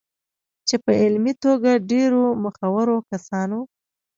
چې په علمي توګه ډېرو مخورو کسانو